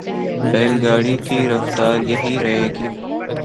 بیل گاڑی کی رفتار یہی رہے گی۔